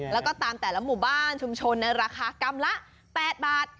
แล้วก็ตามแต่ละหมู่บ้านชุมชนในราคากรัมละ๘บาท